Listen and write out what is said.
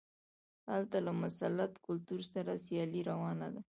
هلته له مسلط کلتور سره سیالي روانه وه.